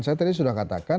saya tadi sudah katakan